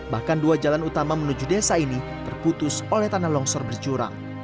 bahkan dua jalan utama menuju desa ini terputus oleh tanah longsor berjurang